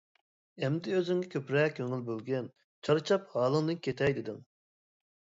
ئەمدى ئۆزۈڭگە كۆپرەك كۆڭۈل بۆلگىن، چارچاپ ھالىڭدىن كېتەي دېدىڭ.